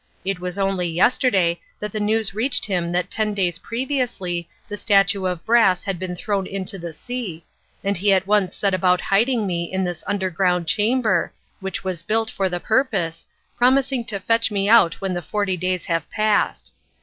It was only yesterday that the news reached him that ten days previously the statue of brass had been thrown into the sea, and he at once set about hiding me in this underground chamber, which was built for the purpose, promising to fetch me out when the forty days have passed.